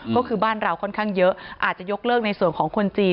ก็คือบ้านเราค่อนข้างเยอะอาจจะยกเลิกในส่วนของคนจีน